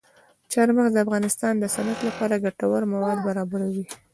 چار مغز د افغانستان د صنعت لپاره ګټور مواد برابروي.